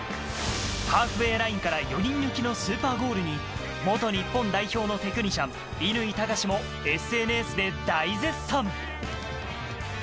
ハーフウエーラインから４人抜きのスーパーゴールに元日本代表のテクニシャン・乾貴士もＳＮＳで大絶賛。